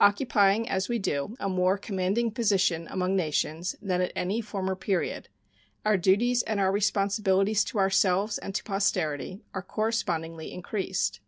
Occupying, as we do, a more commanding position among nations than at any former period, our duties and our responsibilities to ourselves and to posterity are correspondingly increased.